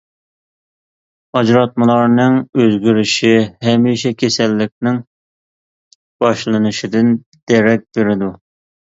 ئاجراتمىلارنىڭ ئۆزگىرىشى ھەمىشە كېسەللىكنىڭ باشلىنىشىدىن دېرەك بېرىدۇ.